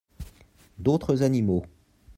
D’autres animaux.